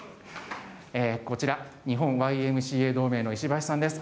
こちら、日本ＹＭＣＡ同盟の石橋さんです。